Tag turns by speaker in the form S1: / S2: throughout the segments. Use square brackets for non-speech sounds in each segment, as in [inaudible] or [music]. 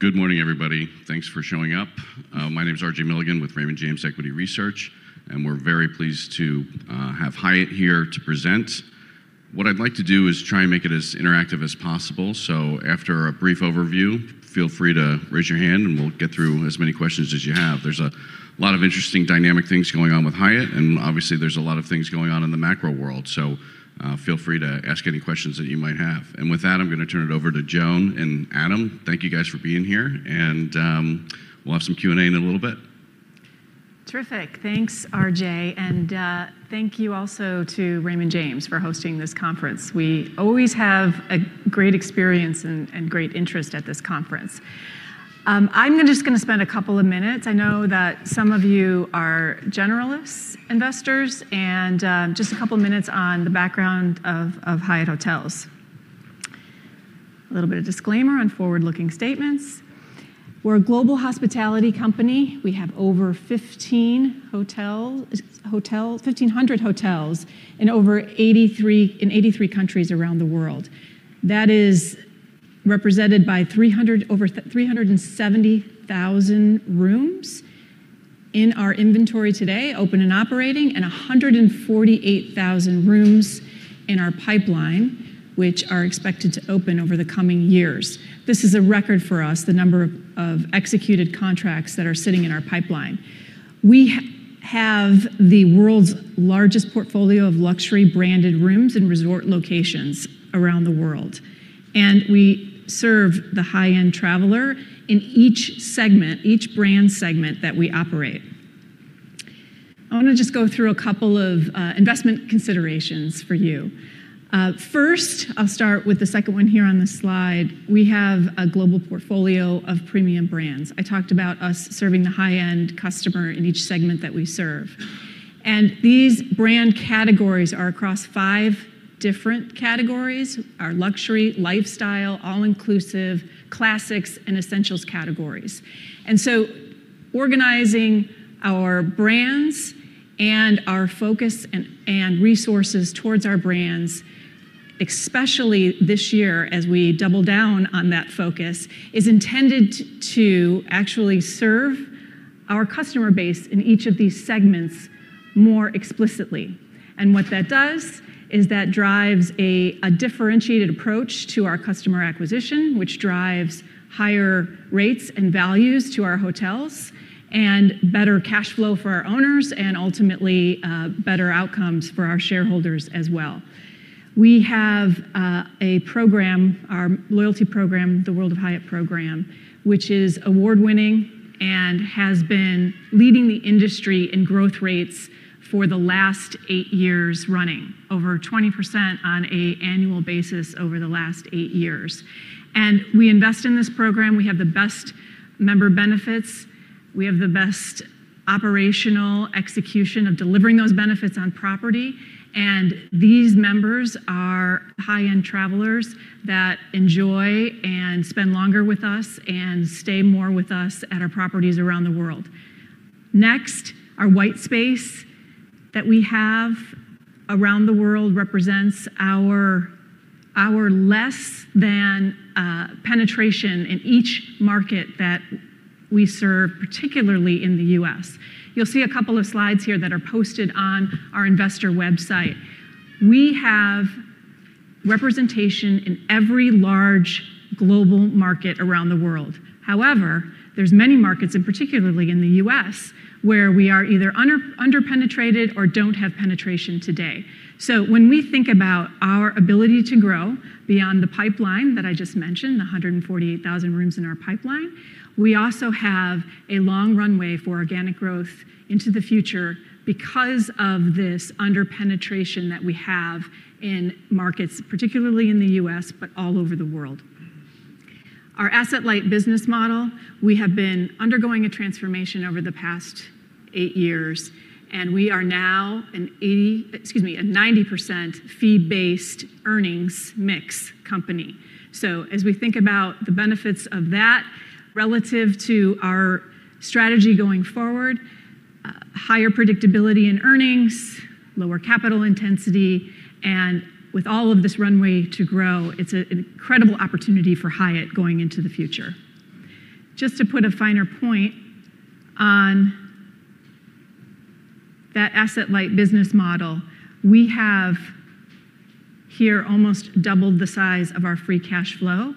S1: Good morning, everybody. Thanks for showing up. My name is R.J. Milligan with Raymond James Equity Research, and we're very pleased to have Hyatt here to present. What I'd like to do is try and make it as interactive as possible. After a brief overview, feel free to raise your hand, and we'll get through as many questions as you have. There's a lot of interesting dynamic things going on with Hyatt, and obviously there's a lot of things going on in the macro world. Feel free to ask any questions that you might have. With that, I'm gonna turn it over to Joan and Adam. Thank you guys for being here, and we'll have some Q&A in a little bit.
S2: Terrific. Thanks, R.J. Thank you also to Raymond James for hosting this conference. We always have a great experience and great interest at this conference. I'm just gonna spend a couple of minutes. I know that some of you are generalists investors and, just a couple of minutes on the background of Hyatt Hotels. A little bit of disclaimer on forward-looking statements. We're a global hospitality company. We have over 1,500 hotels in 83 countries around the world. That is represented by over 370,000 rooms in our inventory today, open and operating, and 148,000 rooms in our pipeline, which are expected to open over the coming years. This is a record for us, the number of executed contracts that are sitting in our pipeline. We have the world's largest portfolio of luxury-branded rooms and resort locations around the world, and we serve the high-end traveler in each segment, each brand segment that we operate. I wanna just go through a couple of investment considerations for you. First, I'll start with the second one here on this slide. We have a global portfolio of premium brands. I talked about us serving the high-end customer in each segment that we serve. These brand categories are across five different categories, our luxury, lifestyle, all-inclusive, classics, and essentials categories. Organizing our brands and our focus and resources towards our brands, especially this year as we double down on that focus, is intended to actually serve our customer base in each of these segments more explicitly. What that does is that drives a differentiated approach to our customer acquisition, which drives higher rates and values to our hotels and better cash flow for our owners and ultimately, better outcomes for our shareholders as well. We have a program, our loyalty program, the World of Hyatt program, which is award-winning and has been leading the industry in growth rates for the last eight years running, over 20% on a annual basis over the last eight years. We invest in this program. We have the best member benefits. We have the best operational execution of delivering those benefits on property, and these members are high-end travelers that enjoy and spend longer with us and stay more with us at our properties around the world. Next, our white space that we have around the world represents our less than penetration in each market that we serve, particularly in the U.S. You'll see a couple of slides here that are posted on our Investor website. We have representation in every large global market around the world. There's many markets, and particularly in the U.S., where we are either under-penetrated or don't have penetration today. When we think about our ability to grow beyond the pipeline that I just mentioned, the 148,000 rooms in our pipeline, we also have a long runway for organic growth into the future because of this under-penetration that we have in markets, particularly in the U.S., but all over the world. Our asset-light business model, we have been undergoing a transformation over the past eight years, and we are now an 80-- excuse me, a 90% fee-based earnings mix company. As we think about the benefits of that relative to our strategy going forward, higher predictability in earnings, lower capital intensity, and with all of this runway to grow, it's an incredible opportunity for Hyatt going into the future. Just to put a finer point on that asset-light business model, we have here almost doubled the size of our free cash flow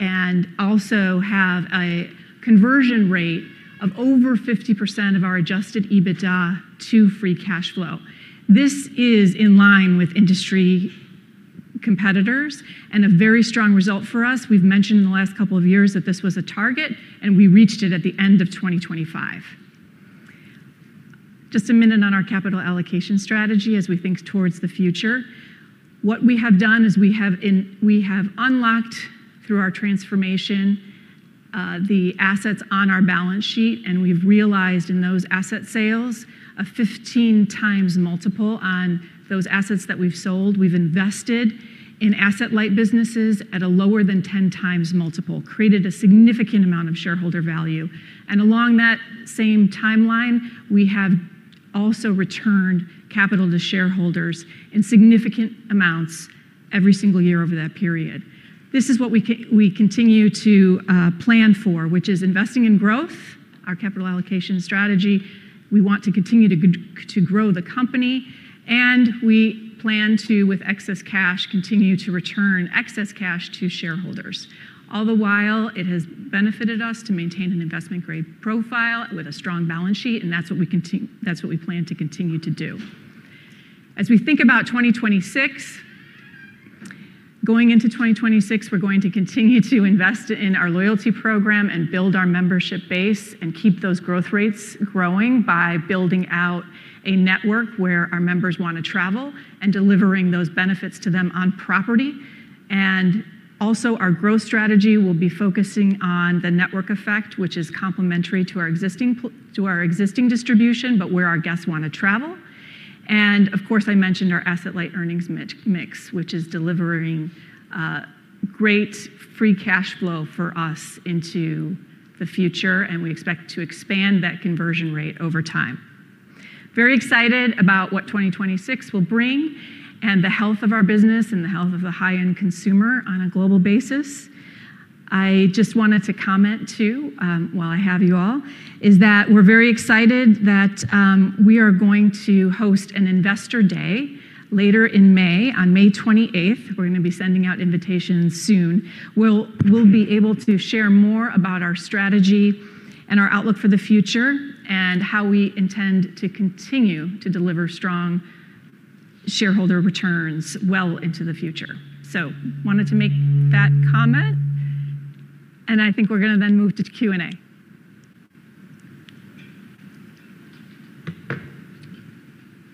S2: and also have a conversion rate of over 50% of our adjusted EBITDA to free cash flow. This is in line with industry competitors and a very strong result for us. We've mentioned in the last couple of years that this was a target, and we reached it at the end of 2025. Just a minute on our capital allocation strategy as we think towards the future. What we have done is we have unlocked through our transformation, the assets on our balance sheet, and we've realized in those asset sales a 15x multiple on those assets that we've sold. We've invested in asset-light businesses at a lower than 10x multiple, created a significant amount of shareholder value. Also returned capital to shareholders in significant amounts every single year over that period. This is what we continue to plan for, which is investing in growth, our capital allocation strategy. We want to continue to grow the company, and we plan to, with excess cash, continue to return excess cash to shareholders. All the while, it has benefited us to maintain an investment-grade profile with a strong balance sheet, that's what we plan to continue to do. As we think about 2026, going into 2026, we're going to continue to invest in our loyalty program and build our membership base and keep those growth rates growing by building out a network where our members wanna travel and delivering those benefits to them on property. Also, our growth strategy will be focusing on the network effect, which is complementary to our existing to our existing distribution, but where our guests wanna travel. Of course, I mentioned our asset-light earnings mix, which is delivering great free cash flow for us into the future, and we expect to expand that conversion rate over time. Very excited about what 2026 will bring and the health of our business and the health of the high-end consumer on a global basis. I just wanted to comment too, while I have you all, is that we're very excited that we are going to host an investor day later in May, on May 28th 2026. We're gonna be sending out invitations soon. We'll be able to share more about our strategy and our outlook for the future and how we intend to continue to deliver strong shareholder returns well into the future. Wanted to make that comment, and I think we're gonna then move to Q&A.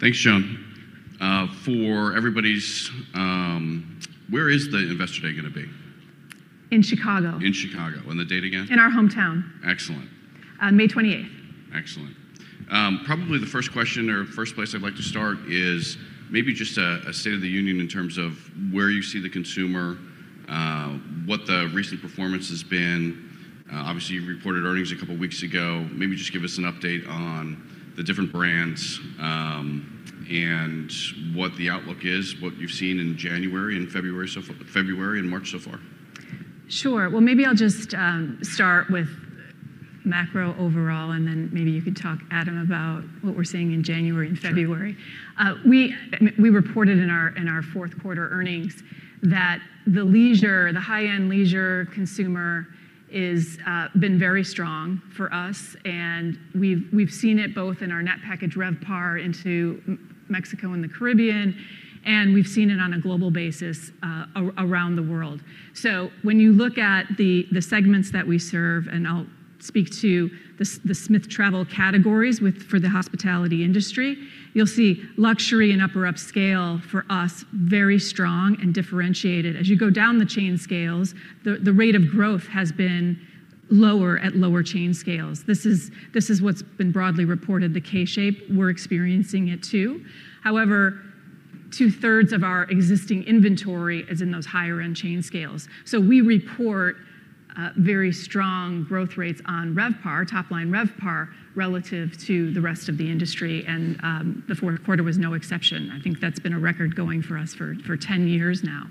S1: Thanks, Joan. For everybody's, where is the Investor Day gonna be?
S2: In Chicago.
S1: In Chicago. The date again?
S2: In our hometown.
S1: Excellent.
S2: On May 28th.
S1: Excellent. Probably the first question or first place I'd like to start is maybe just a state of the union in terms of where you see the consumer, what the recent performance has been. Obviously, you reported earnings a couple weeks ago. Maybe just give us an update on the different brands, and what the outlook is, what you've seen in January and February and March so far.
S2: Sure. Well, maybe I'll just start with macro overall, and then maybe you could talk, Adam, about what we're seeing in January and February.
S3: Sure.
S2: We reported in our fourth quarter earnings that the leisure, the high-end leisure consumer is been very strong for us, and we've seen it both in our net package RevPAR into Mexico and the Caribbean, and we've seen it on a global basis around the world. When you look at the segments that we serve, and I'll speak to the Smith Travel categories for the hospitality industry, you'll see Luxury and Upper Upscale for us, very strong and differentiated. As you go down the chain scales, the rate of growth has been lower at lower chain scales. This is what's been broadly reported, the K shape. We're experiencing it too. However, 2/3 of our existing inventory is in those higher-end chain scales. We report very strong growth rates on RevPAR, top-line RevPAR, relative to the rest of the industry, and the fourth quarter was no exception. I think that's been a record going for us for 10 years now.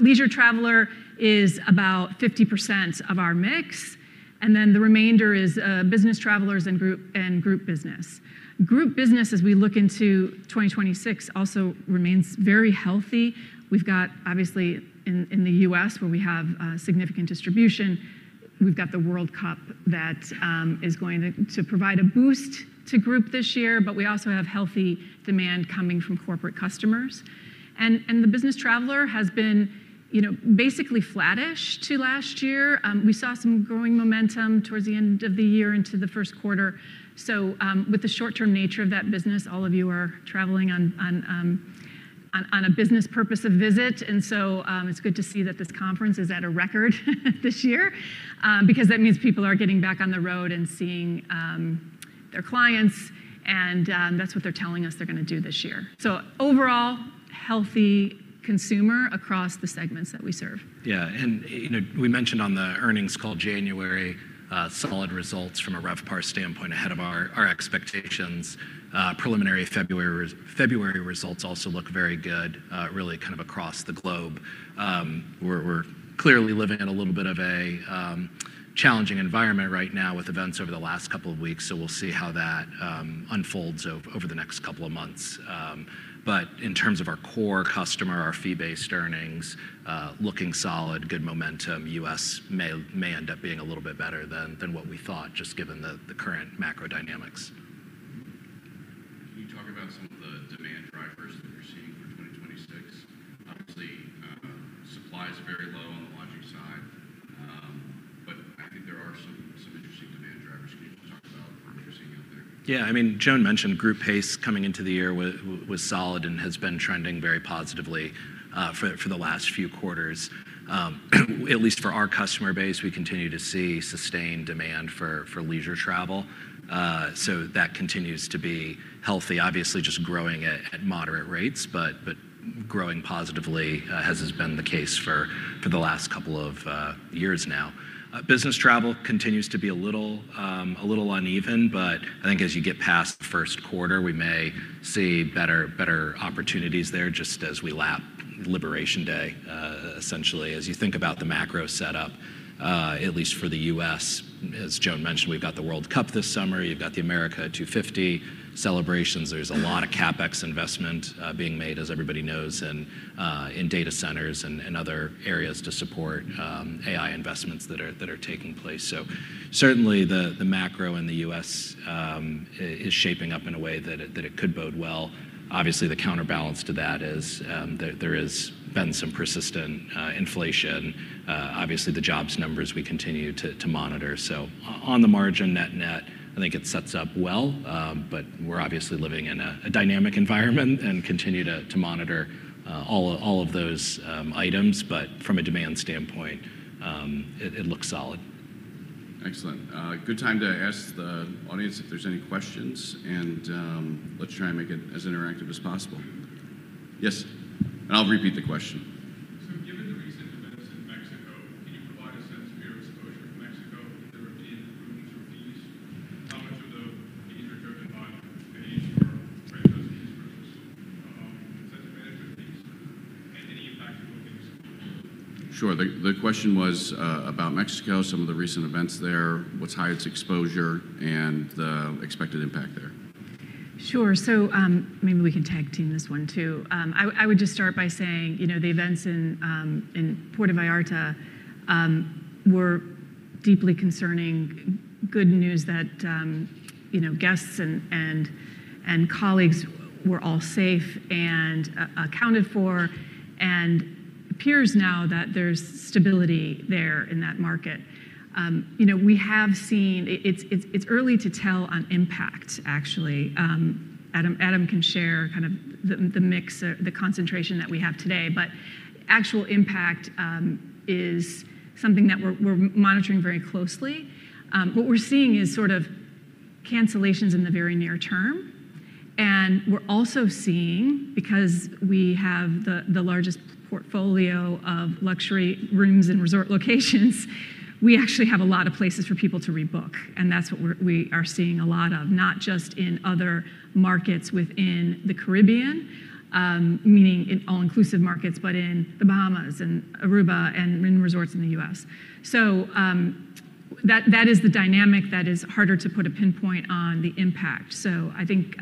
S2: Leisure traveler is about 50% of our mix, and then the remainder is business travelers and group business. Group business, as we look into 2026, also remains very healthy. We've got, obviously, in the U.S., where we have significant distribution, we've got the World Cup that is going to provide a boost to group this year, but we also have healthy demand coming from corporate customers. The business traveler has been, you know, basically flattish to last year. We saw some growing momentum towards the end of the year into the first quarter. With the short-term nature of that business, all of you are traveling on a business purpose of visit. It's good to see that this conference is at a record this year, because that means people are getting back on the road and seeing their clients, and that's what they're telling us they're gonna do this year. Overall, healthy consumer across the segments that we serve.
S3: Yeah. You know, we mentioned on the earnings call January, solid results from a RevPAR standpoint ahead of our expectations. Preliminary February results also look very good, really kind of across the globe. We're clearly living in a little bit of a challenging environment right now with events over the last couple of weeks, so we'll see how that unfolds over the next couple of months. In terms of our core customer, our fee-based earnings, looking solid, good momentum. U.S. may end up being a little bit better than what we thought, just given the current macro dynamics.
S1: Can you talk about some of the demand drivers that you're seeing for 2026? Obviously, supply is very low on the lodging side.
S3: I mean, Joan mentioned group pace coming into the year was solid and has been trending very positively for the last few quarters. At least for our customer base, we continue to see sustained demand for leisure travel. That continues to be healthy. Obviously, just growing at moderate rates, but growing positively, as has been the case for the last couple of years now. Business travel continues to be a little, a little uneven, but I think as you get past first quarter, we may see better opportunities there just as we lap Liberation Day essentially. As you think about the macro setup, at least for the U.S., as Joan mentioned, we've got the World Cup this summer, you've got the America 250 celebrations. There's a lot of CapEx investment being made as everybody knows, and in data centers and other areas to support AI investments that are taking place. Certainly the macro in the U.S. is shaping up in a way that it could bode well. Obviously, the counterbalance to that is there has been some persistent inflation. Obviously the jobs numbers we continue to monitor. On the margin net-net, I think it sets up well, but we're obviously living in a dynamic environment and continue to monitor all of those items, but from a demand standpoint, it looks solid.
S1: Excellent. Good time to ask the audience if there's any questions, and let's try and make it as interactive as possible. Yes. I'll repeat the question.
S4: Given the recent events in Mexico, can you provide a sense of your exposure to Mexico in terms of rooms or fees? How much of the fees are driven by, [audio distortion] incentive management fees, and any impact to bookings?
S1: Sure. The question was about Mexico, some of the recent events there, what's Hyatt's exposure and the expected impact there.
S2: Maybe we can tag team this one too. I would just start by saying, you know, the events in Puerto Vallarta were deeply concerning. Good news that, you know, guests and colleagues were all safe and accounted for, and appears now that there's stability there in that market. You know, it's early to tell on impact actually. Adam van share kind of the mix, the concentration that we have today. Actual impact is something that we're monitoring very closely. What we're seeing is sort of cancellations in the very near term, and we're also seeing, because we have the largest portfolio of luxury rooms and resort locations, we actually have a lot of places for people to rebook, and that's what we are seeing a lot of, not just in other markets within the Caribbean, meaning in all-inclusive markets, but in the Bahamas and Aruba and in resorts in the U.S. That, that is the dynamic that is harder to put a pinpoint on the impact. I think,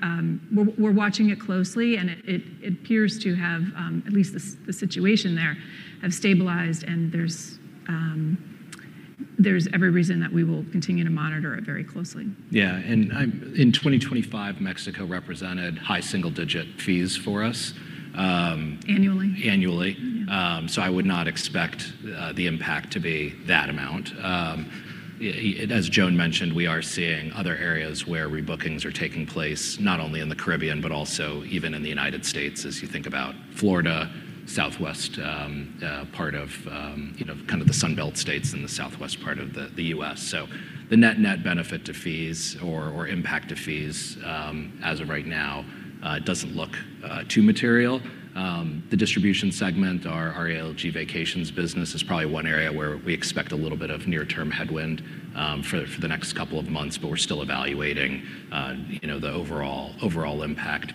S2: we're watching it closely, and it appears to have, at least the situation there have stabilized and there's every reason that we will continue to monitor it very closely.
S3: Yeah. In 2025, Mexico represented high single-digit fees for us.
S2: Annually.
S3: Annually. I would not expect the impact to be that amount. As Joan mentioned, we are seeing other areas where rebookings are taking place, not only in the Caribbean, but also even in the United States, as you think about Florida, Southwest part of, you know, kind of the Sun Belt states in the Southwest part of the U.S. The net-net benefit to fees or impact to fees, as of right now, doesn't look too material. The distribution segment, our ALG Vacations business is probably one area where we expect a little bit of near-term headwind for the next couple of months, we're still evaluating, you know, the overall impact.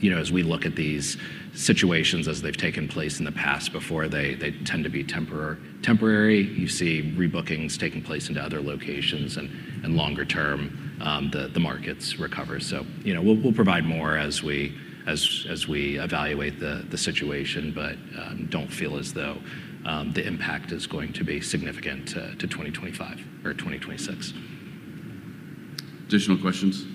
S3: You know, as we look at these situations as they've taken place in the past before, they tend to be temporary. You see rebookings taking place into other locations and longer term, the markets recover. You know, we'll provide more as we evaluate the situation, don't feel as though the impact is going to be significant to 2025 or 2026.
S1: Additional questions?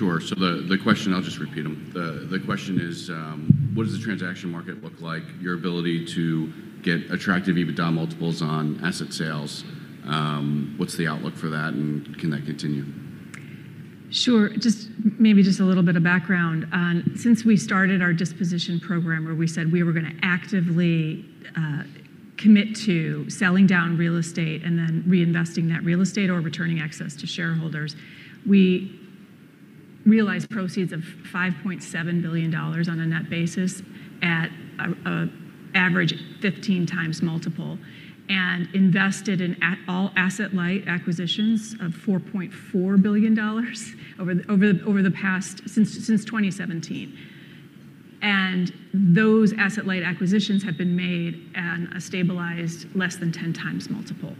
S1: Yes.
S4: Can you talk a little bit more about the exiting the 15x multiples on assets and entering into 10x multiples, kind of how sustainable that is and how that keeps going for three years?
S1: Sure. I'll just repeat them. The question is, what does the transaction market look like, your ability to get attractive EBITDA multiples on asset sales? What's the outlook for that, can that continue?
S2: Sure. Maybe just a little bit of background. Since we started our disposition program, where we said we were gonna actively commit to selling down real estate and then reinvesting that real estate or returning excess to shareholders, we realized proceeds of $5.7 billion on a net basis at a average 15x multiple, invested in all asset-light acquisitions of $4.4 billion over the past since 2017. Those asset-light acquisitions have been made at a stabilized less than 10x multiple.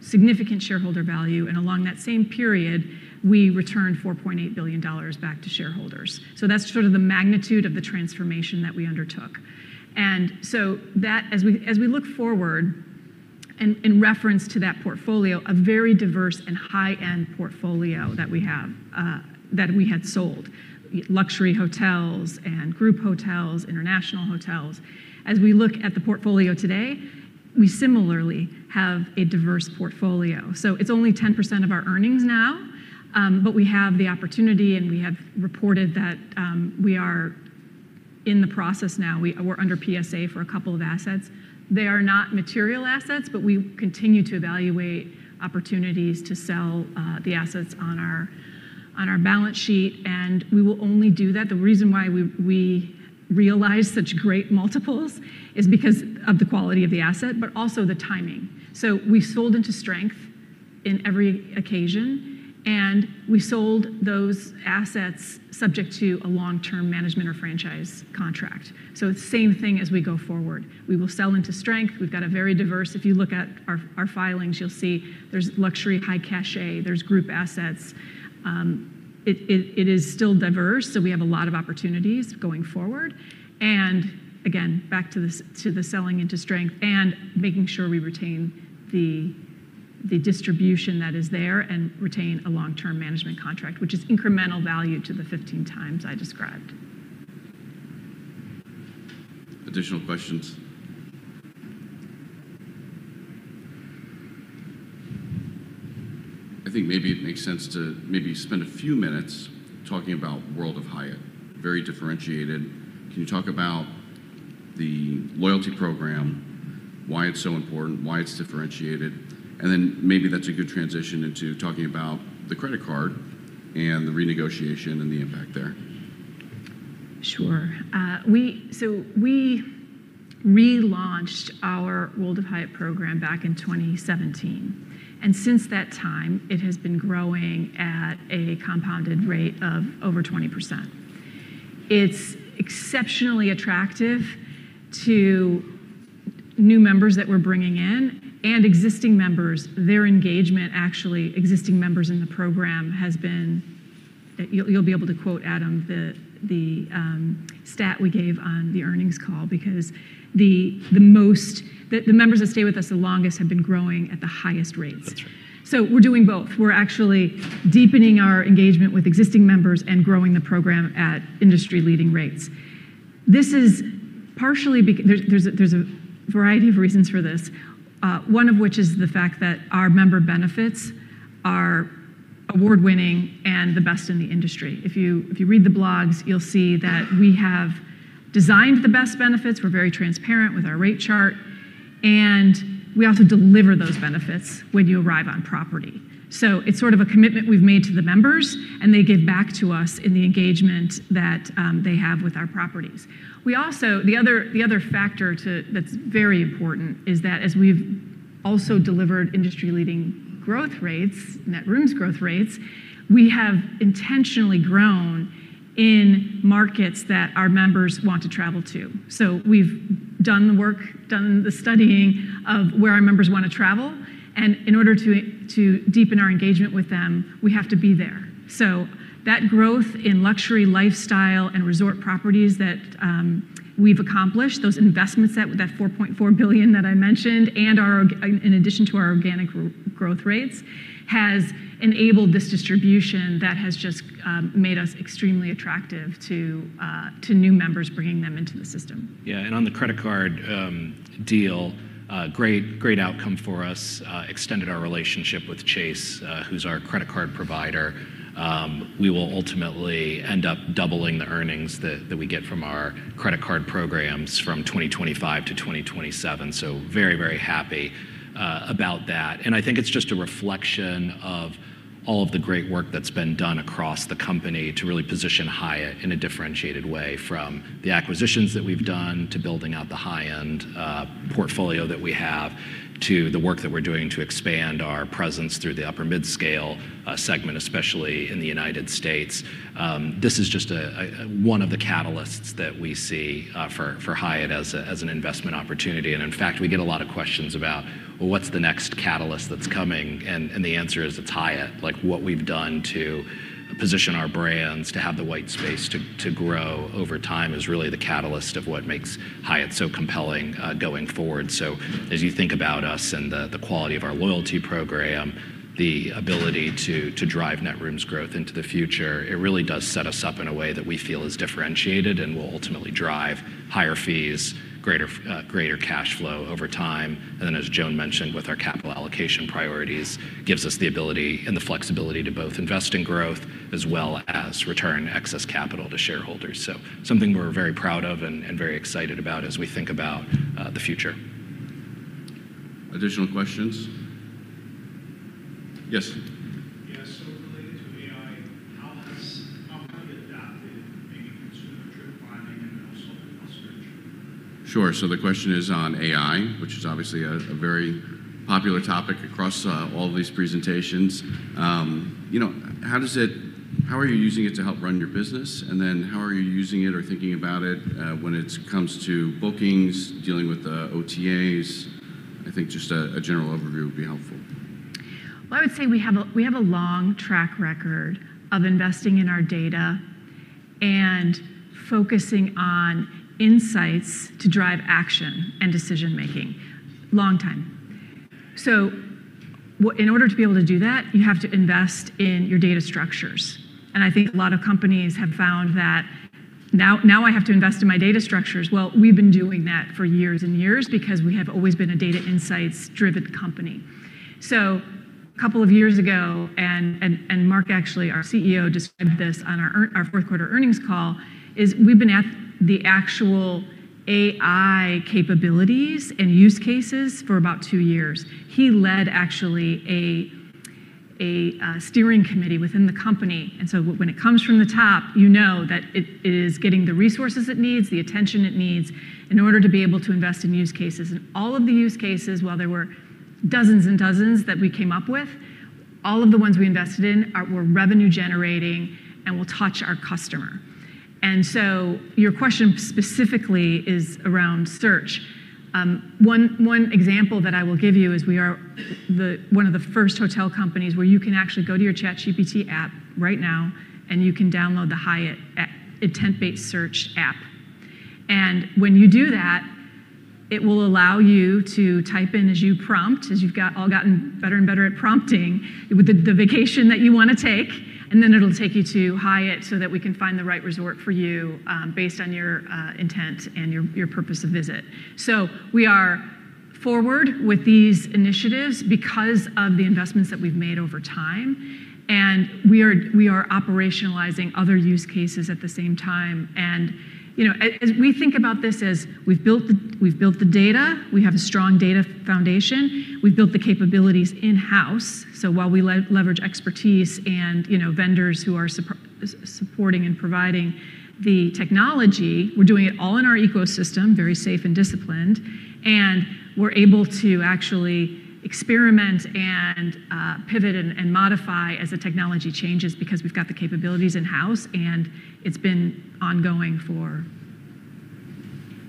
S2: Significant shareholder value. Along that same period, we returned $4.8 billion back to shareholders. That's sort of the magnitude of the transformation that we undertook. As we look forward and reference to that portfolio, a very diverse and high-end portfolio that we have that we had sold. Luxury hotels and group hotels, international hotels. As we look at the portfolio today, we similarly have a diverse portfolio. It's only 10% of our earnings now, but we have the opportunity, and we have reported that we are in the process now. We're under PSA for a couple of assets. They are not material assets, but we continue to evaluate opportunities to sell the assets on our balance sheet, and we will only do that. The reason why we realize such great multiples is because of the quality of the asset, but also the timing. We sold into strength in every occasion, and we sold those assets subject to a long-term management or franchise contract. It's same thing as we go forward. We will sell into strength. We've got a very diverse. If you look at our filings, you'll see there's luxury, high cachet, there's group assets. It is still diverse, so we have a lot of opportunities going forward. Again, back to the selling into strength and making sure we retain the distribution that is there and retain a long-term management contract, which is incremental value to the 15x I described.
S1: Additional questions? I think maybe it makes sense to maybe spend a few minutes talking about World of Hyatt. Very differentiated. Can you talk about the loyalty program, why it's so important, why it's differentiated? Then maybe that's a good transition into talking about the credit card and the renegotiation and the impact there.
S2: Sure. We relaunched our World of Hyatt program back in 2017. Since that time, it has been growing at a compounded rate of over 20%. It's exceptionally attractive to new members that we're bringing in and existing members. Their engagement, actually, existing members in the program has been. You'll, you'll be able to quote, Adam, the stat we gave on the earnings call because the members that stay with us the longest have been growing at the highest rates.
S3: That's right.
S2: We're doing both. We're actually deepening our engagement with existing members and growing the program at industry-leading rates. This is partially - there's a variety of reasons for this, one of which is the fact that our member benefits are award-winning and the best in the industry. If you read the blogs, you'll see that we have designed the best benefits. We're very transparent with our rate chart, and we also deliver those benefits when you arrive on property. It's sort of a commitment we've made to the members, and they give back to us in the engagement that they have with our properties. The other factor that's very important is that as we've also delivered industry-leading growth rates, net rooms growth rates, we have intentionally grown in markets that our members want to travel to. We've done the work, done the studying of where our members wanna travel, and in order to deepen our engagement with them, we have to be there. That growth in luxury lifestyle and resort properties that we've accomplished, those investments, that $4.4 billion that I mentioned, in addition to our organic growth rates, has enabled this distribution that has just made us extremely attractive to new members, bringing them into the system.
S3: On the credit card deal, great outcome for us. Extended our relationship with Chase, who's our credit card provider. We will ultimately end up doubling the earnings that we get from our credit card programs from 2025 to 2027. Very, very happy about that. I think it's just a reflection of all of the great work that's been done across the company to really position Hyatt in a differentiated way, from the acquisitions that we've done to building out the high-end portfolio that we have to the work that we're doing to expand our presence through the Upper Mid-Scale segment, especially in the United States. This is just one of the catalysts that we see for Hyatt as an investment opportunity. In fact, we get a lot of questions about, "Well, what's the next catalyst that's coming?" The answer is it's Hyatt. Like, what we've done to position our brands, to have the white space to grow over time is really the catalyst of what makes Hyatt so compelling going forward. As you think about us and the quality of our loyalty program, the ability to drive net rooms growth into the future, it really does set us up in a way that we feel is differentiated and will ultimately drive higher fees, greater cash flow over time. As Joan mentioned, with our capital allocation priorities, gives us the ability and the flexibility to both invest in growth as well as return excess capital to shareholders. Something we're very proud of and very excited about as we think about the future.
S1: Additional questions? Yes.
S4: Yeah. related to AI, how have you adapted maybe consumer trip finding and also?
S1: Sure. The question is on AI, which is obviously a very popular topic across all these presentations. You know, how are you using it to help run your business? How are you using it or thinking about it when it's comes to bookings, dealing with OTAs? I think just a general overview would be helpful.
S2: I would say we have a long track record of investing in our data and focusing on insights to drive action and decision-making. Long time. In order to be able to do that, you have to invest in your data structures. I think a lot of companies have found that, "Now, now I have to invest in my data structures." We've been doing that for years and years because we have always been a data insights-driven company. A couple of years ago, Mark, actually our CEO, described this on our fourth quarter earnings call, is we've been at the actual AI capabilities and use cases for about two years. He led actually a steering committee within the company. When it comes from the top, you know that it is getting the resources it needs, the attention it needs in order to be able to invest in use cases. All of the use cases, while there were dozens and dozens that we came up with, all of the ones we invested in are, were revenue-generating and will touch our customer. Your question specifically is around search. One example that I will give you is we are the one of the first hotel companies where you can actually go to your ChatGPT app right now, and you can download the Hyatt intent-based search app. When you do that, it will allow you to type in as you prompt, as you've got, all gotten better and better at prompting, with the vacation that you wanna take, and then it'll take you to Hyatt so that we can find the right resort for you, based on your intent and purpose of visit. We are forward with these initiatives because of the investments that we've made over time, and we are operationalizing other use cases at the same time. You know, as we think about this as we've built the data, we have a strong data foundation. We've built the capabilities in-house, so while we leverage expertise and, you know, vendors who are supporting and providing the technology, we're doing it all in our ecosystem, very safe and disciplined. We're able to actually experiment and, pivot and modify as the technology changes because we've got the capabilities in-house, and it's been ongoing for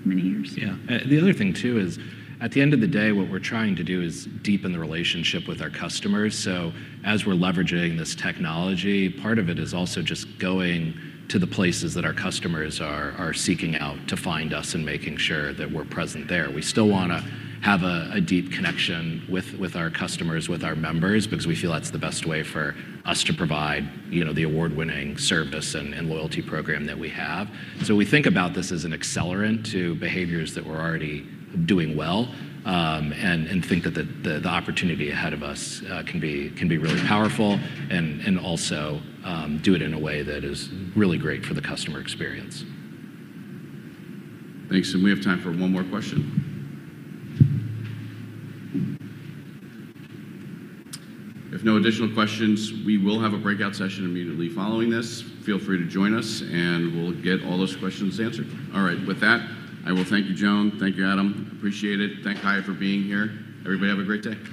S2: many years.
S3: Yeah. The other thing too is, at the end of the day, what we're trying to do is deepen the relationship with our customers. As we're leveraging this technology, part of it is also just going to the places that our customers are seeking out to find us and making sure that we're present there. We still wanna have a deep connection with our customers, with our members, because we feel that's the best way for us to provide, you know, the award-winning service and loyalty program that we have. We think about this as an accelerant to behaviors that we're already doing well, and think that the opportunity ahead of us can be really powerful and also do it in a way that is really great for the customer experience.
S1: Thanks. We have time for one more question. If no additional questions, we will have a breakout session immediately following this. Feel free to join us, and we'll get all those questions answered. All right. With that, I will thank you, Joan. Thank you, Adam. Appreciate it. Thank Hyatt for being here. Everybody have a great day.